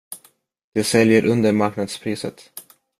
De säljer under marknadspriset.